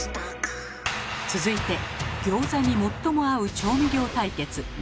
続いてギョーザに最も合う調味料対決。